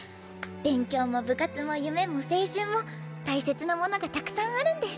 勉強も部活も夢も青春も大切なものがたくさんあるんです。